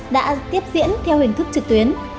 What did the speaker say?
đã tiếp diễn theo hình thức trực tuyến